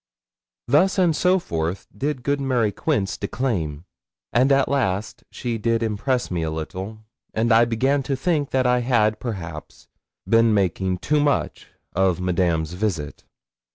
Thus and soforth did good Mary Quince declaim, and at last she did impress me a little, and I began to think that I had, perhaps, been making too much of Madame's visit.